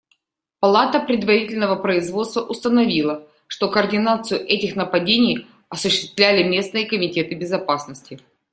Палата предварительного производства установила, что координацию этих нападений осуществляли местные комитеты безопасности.